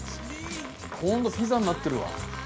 ホントピザになってるわ。